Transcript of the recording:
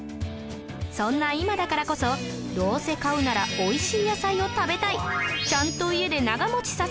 そんな今だからこそどうせ買うならおいしい野菜を食べたいちゃんと家で長持ちさせたい